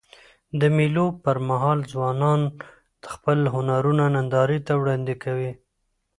د مېلو پر مهال ځوانان خپل هنرونه نندارې ته وړاندي کوي.